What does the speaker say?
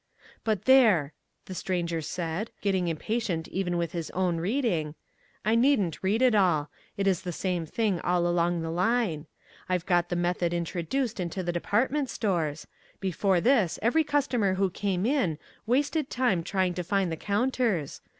"But there," the Stranger said, getting impatient even with his own reading, "I needn't read it all. It is the same thing all along the line. I've got the Method introduced into the Department Stores. Before this every customer who came in wasted time trying to find the counters.